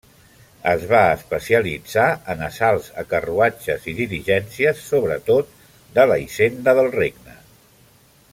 Es va especialitzar en assalts a carruatges i diligències, sobretot de la Hisenda del Regne.